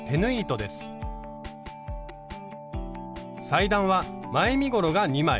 裁断は前身ごろが２枚。